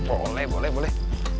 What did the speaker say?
boleh boleh boleh